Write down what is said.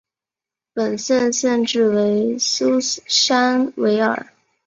本县县治为苏珊维尔。